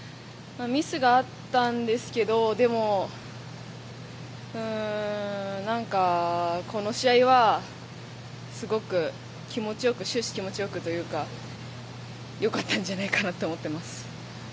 ミスがあったんですけどでもこの試合は終始気持ち良くというか良かったんじゃないかなと思っています。